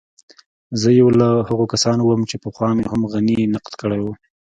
زه يو له هغو کسانو وم چې پخوا مې هم غني نقد کړی و.